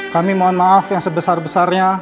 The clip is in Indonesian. kami mohon maaf yang sebesar besarnya